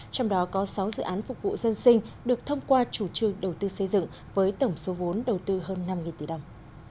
trong đó có sáu dự án phục vụ dân sinh được thông qua chủ trương đầu tư xây dựng với tổng số vốn đầu tư hơn năm tỷ đồng